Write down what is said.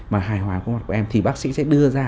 mà hài hòa có mặt của em thì bác sĩ sẽ đưa ra